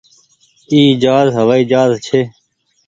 اي جهآز هوآئي جهآز ڇي۔